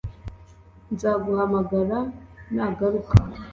Nzaguhamagara nagaruka